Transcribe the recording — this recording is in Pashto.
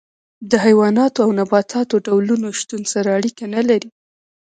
د حیواناتو او نباتاتو ډولونو شتون سره اړیکه نه لري.